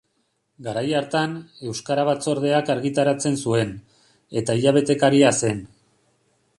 Garai hartan, Euskara batzordeak argitaratzen zuen, eta hilabetekaria zen.